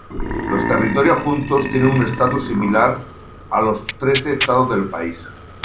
Los territorios juntos tienen un estatus similar a los trece estados del país.